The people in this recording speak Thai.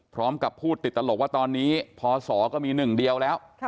พร้อมกับพูดติดตลกว่าตอนนี้พศก็มีหนึ่งเดียวแล้ว